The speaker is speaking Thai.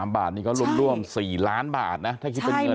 บาทนี่เขาร่วม๔ล้านบาทนะถ้าคิดเป็นเงิน